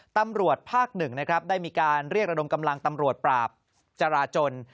ตำรวจภาคหนึ่งนะครับได้มีการเรียกระดมกำลังตำรวจปราบจราจน